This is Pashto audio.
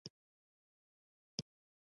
ایا ورسره خبرې کوئ؟